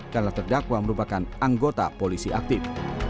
karena terdakwa merupakan anggota polisi aktif